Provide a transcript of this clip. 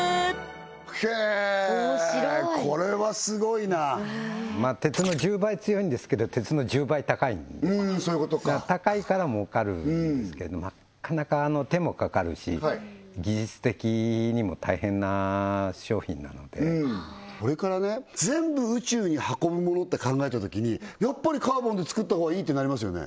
へえこれはすごいな面白い鉄の１０倍強いんですけど鉄の１０倍高いんでうんうんそういうことか高いから儲かるんですけどなかなか手もかかるし技術的にも大変な商品なのでこれからね全部宇宙に運ぶものって考えたときにやっぱりカーボンで作ったほうがいいってなりますよね